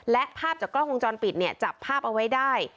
และภาพจากกล้องวงจรปิดเนี่ยจับภาพเอาไว้ได้